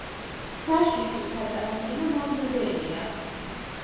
საშიში საკარანტინო მავნებელია.